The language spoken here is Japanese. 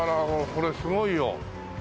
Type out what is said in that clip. これすごいよ。